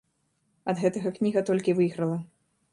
Ад гэтага кніга толькі выйграла.